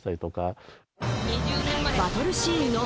［バトルシーンの］